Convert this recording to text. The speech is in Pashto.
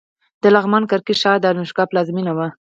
د لغمان کرکټ ښار د اشوکا پلازمېنه وه